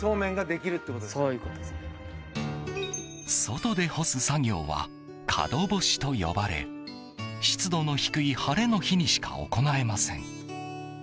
外で干す作業はかど干しと呼ばれ湿度の低い晴れの日にしか行えません。